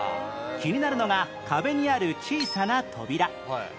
気になるのが壁にある小さな扉